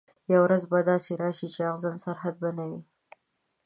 یوه ورځ به داسي راسي چي اغزن سرحد به نه وي